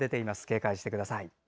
警戒してください。